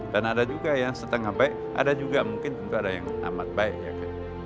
dan ada juga yang setengah baik ada juga mungkin juga ada yang amat baik